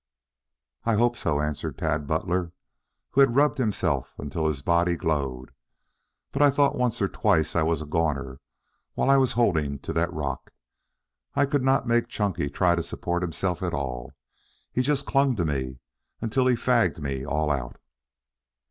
"I hope so," answered Tad Butler, who had rubbed himself until his body glowed. "But I thought once or twice that I was a goner while I was holding to that rock. I could not make Chunky try to support himself at all. He just clung to me until he fagged me all out."